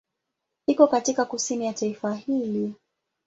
Iko katika kusini ya taifa hili.